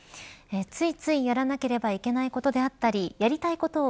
ついついやらなければいけないことであったりやりたいことを